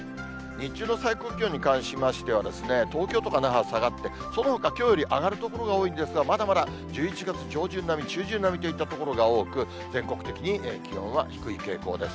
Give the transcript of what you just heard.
日中の最高気温に関しましては、東京とか那覇下がって、そのほかきょうより上がる所が多いんですが、まだまだ１１月上旬並み、中旬並みといった所が多く、全国的に気温は低い傾向です。